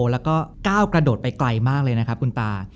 แล้วก็ก้าวกระโดดไปไกลมากเลยนะครับคุณตา